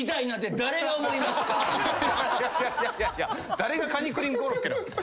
誰がカニクリームコロッケなんすか。